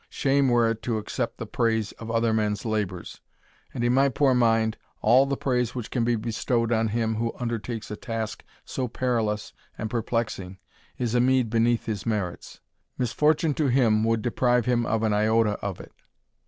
Shame were it to accept the praise of other men's labours; and, in my poor mind, all the praise which can be bestowed on him who undertakes a task so perilous and perplexing, is a meed beneath his merits. Misfortune to him would deprive him of an iota of it!